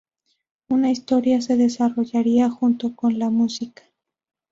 Una historia se desarrollaría junto con la música.